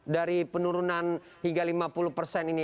dari penurunan hingga lima puluh persen ini